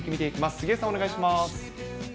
杉江さん、お願いします。